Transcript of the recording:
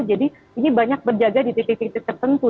jadi ini banyak berjaga di titik titik tertentu